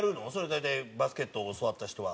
大体バスケットを教わった人は。